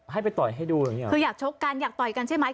ให้ไปต่อยให้ดูอย่างเงี้คืออยากชกกันอยากต่อยกันใช่ไหม